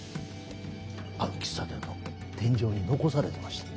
ある喫茶店の天井に残されてました。